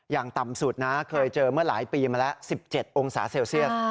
อย่างต่ำสุดนะเคยเจอเมื่อหลายปีมาแล้ว๑๗องศาเซลเซียส